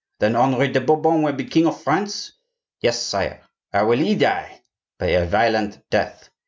"Then Henri de Bourbon will be king of France?" "Yes, sire." "How will he die?" "By a violent death."